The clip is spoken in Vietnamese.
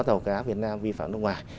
tàu cá việt nam vi phạm nước ngoài